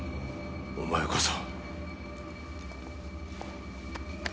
お前こそ。